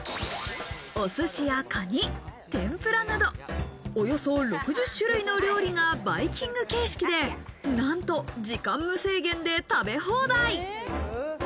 お寿司やカニ、天ぷらなど、およそ６０種類の料理がバイキング形式で何と時間無制限で食べ放題。